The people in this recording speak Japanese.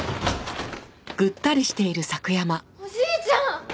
おじいちゃん！